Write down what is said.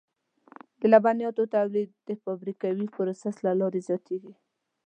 د لبنیاتو تولید د فابریکوي پروسس له لارې زیاتېږي.